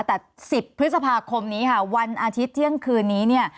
แต่๑๐พฤษภาคมนี้ค่ะวันอาทิตย์เที่ยงคืนนี้เนี่ย